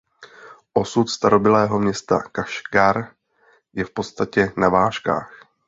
Osud starobylého města Kašgar je v podstatě na vážkách.